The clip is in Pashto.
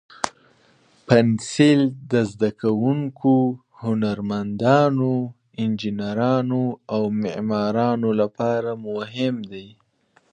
پنسل د زده کوونکو، هنرمندانو، انجینرانو، او معمارانو لپاره مهم دی.